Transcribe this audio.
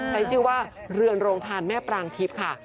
ใช้ชื่อว่าเรือนโรงทานแม่ปรางทิพย์ค่ะ